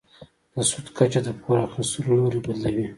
د سود کچه د پور اخیستلو لوری بدلوي.